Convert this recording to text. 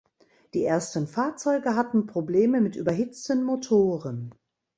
Die ersten Fahrzeuge hatten Probleme mit überhitzten Motoren.